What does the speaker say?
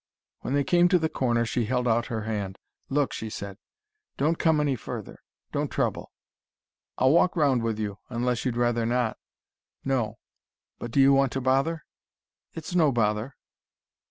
When they came to the corner, she held out her hand. "Look!" she said. "Don't come any further: don't trouble." "I'll walk round with you: unless you'd rather not." "No But do you want to bother?" "It's no bother."